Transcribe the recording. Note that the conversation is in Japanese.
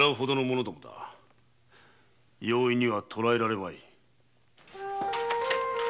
容易には捕らえられまい。